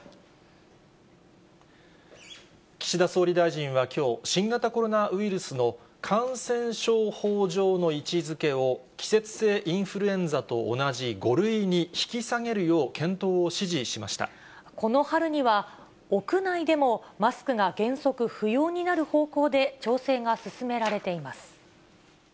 岸田総理大臣はきょう、新型コロナウイルスの感染症法上の位置づけを、季節性インフルエンザと同じ５類に引き下げるよう検討を指示しまこの春には、屋内でもマスクが原則不要になる方向で、調整が進められています。